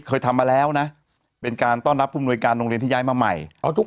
เคยทำมาแล้วนะเป็นการต้อนรับผู้มนวยการโรงเรียนที่ย้ายมาใหม่เอาทุก